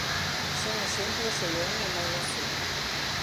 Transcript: Son exemplos o león e maila cebra.